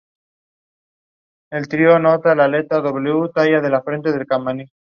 La vegetación predominante está formada por pinares, encinares y matorrales.